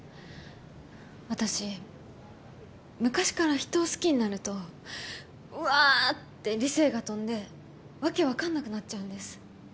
私昔から人を好きになるとワーッて理性が飛んでワケ分かんなくなっちゃうんです。